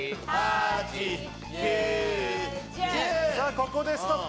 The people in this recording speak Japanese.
ここでストップ！